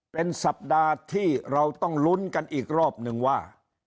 เป็นสัปดาห์ที่เราต้องลุ้นกันอีกรอบนึงว่า